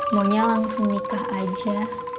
monyal langsung nikah aja